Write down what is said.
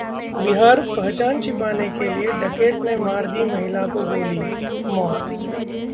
बिहारः पहचान छिपाने के लिए डकैत ने मार दी महिला को गोली, मौत